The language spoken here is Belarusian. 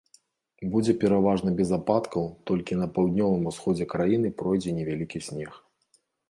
Будзе пераважна без ападкаў, толькі на паўднёвым усходзе краіны пройдзе невялікі снег.